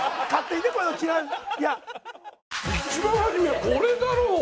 一番始めはこれだろう！